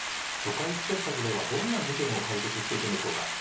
初回スペシャルではどんな事件を解決していくんでしょうか？